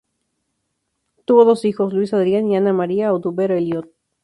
Tuvo dos hijos, Luis Adrián y Ana María Oduber Elliott.